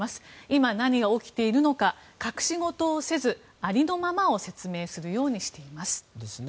今、何が起きているのか隠し事をせずありのままを説明するようにしています。